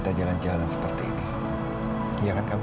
sekalipun kalau aku bertolak klik dengan kamu